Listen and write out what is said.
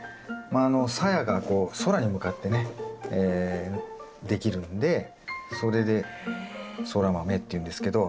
サヤがこう空に向かってねできるんでそれでソラマメっていうんですけど。